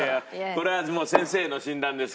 これは先生の診断ですから。